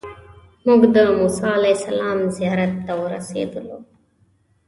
موږ د موسی علیه السلام زیارت ته ورسېدلو.